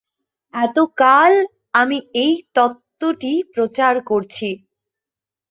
এতকাল আমি এই তত্ত্বটি প্রচার করছি।